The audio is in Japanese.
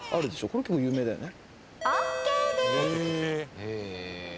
これ結構有名だよね。